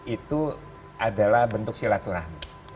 itu adalah bentuk silaturahmi